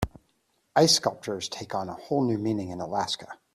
Ice sculptures take on a whole new meaning in Alaska